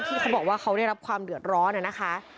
เขาบอกว่าเขาได้รับความเดือดร้อนนะคะ